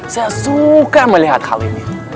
saya suka melihat hal ini